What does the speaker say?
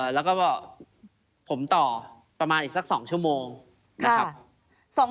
แล้วก็ผมต่อประมาณอีกสัก๒ชั่วโมงนะครับ